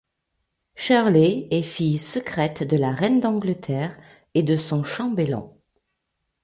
Shirley est fille secrète de la reine d'Angleterre et de son chambellan.